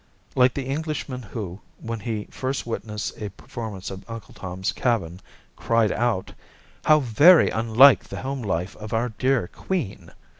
Like the Englishman who, when he first witnessed a performance of "Uncle Tom's Cabin," cried out, "How very unlike the home life of our dear Queen!"